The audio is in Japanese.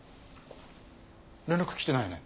連絡来てないよね？